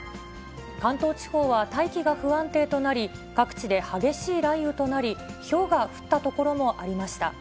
関東地方は大気が不安定となり、各地で激しい雷雨となり、ひょうが降った所もありました。